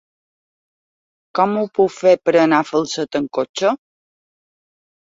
Com ho puc fer per anar a Falset amb cotxe?